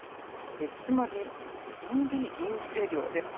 つまり、臨時インフレ料です。